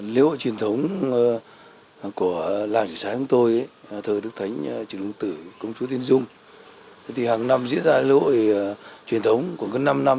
nếu ở truyền thống của làng trực sản